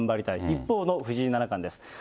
一方の藤井七冠です。